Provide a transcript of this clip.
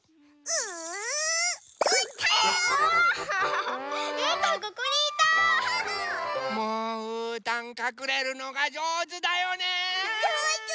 うん。